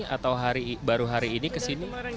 atau baru hari ini kesini